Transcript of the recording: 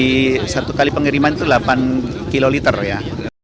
jadi satu kali pengiriman itu delapan kiloliter ya